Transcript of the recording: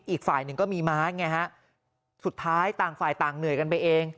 อีกฝ่ายหนึ่งก็มีม้าไงฮะสุดท้ายต่างฝ่ายต่างเหนื่อยกันไปเอง